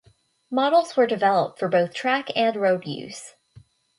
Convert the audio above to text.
Models were developed for both track and road use.